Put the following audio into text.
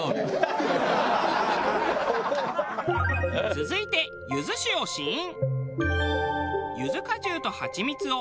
続いてゆず酒を試飲。